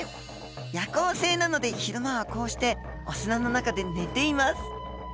夜行性なので昼間はこうしてお砂の中で寝ています。